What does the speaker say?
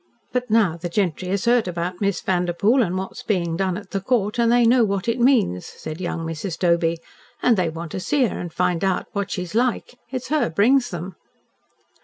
"But now the gentry has heard about Miss Vanderpoel, and what's being done at the Court, and they know what it means," said young Mrs. Doby. "And they want to see her, and find out what she's like. It's her brings them."